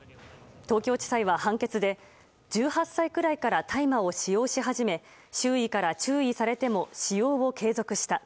東京地裁は判決で１８歳くらいから大麻を使用し始め周囲から注意されても使用を継続した。